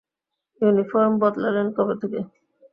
Uniform বদলালেন কবে থেকে?